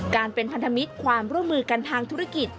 การเป็นพันธมิตรความร่วมมือกันทางธุรกิจ